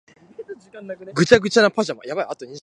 ぐちゃぐちゃなパジャマ